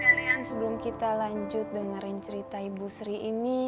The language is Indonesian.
baik pendengar sekalian sebelum kita lanjut dengerin cerita ibu sri ini